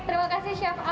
oke terima kasih chef afif